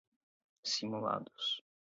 simulados